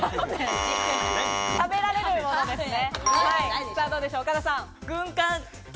食べられるものですね。